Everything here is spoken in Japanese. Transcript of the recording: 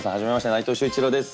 内藤秀一郎です。